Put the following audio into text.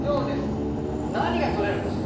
何がとれるんです？